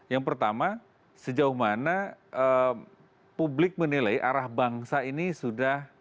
yang pertama sejauh mana publik menilai arah bangsa ini sudah